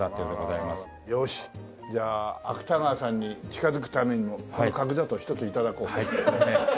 よしじゃあ芥川さんに近づくためにもこの角砂糖を１つ頂こう。